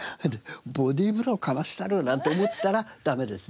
ボディーブローかましたるなんて思ったら駄目ですね。